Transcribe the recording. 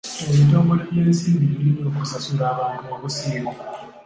Ebitongole by'ensimbi birina okusasula abantu obusiimo.